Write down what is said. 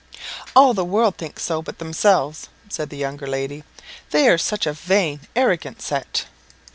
"All the world think so but themselves," said the younger lady; "they are such a vain, arrogant set!"